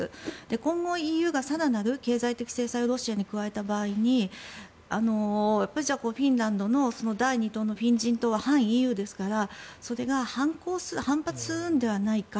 今後、ＥＵが更なる経済的制裁をロシアに加えた場合にフィンランドの第２党のフィン人党は反ＥＵですからそれが反発するのではないか。